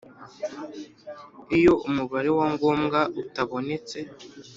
Iyo umubare wa ngombwa utabonetse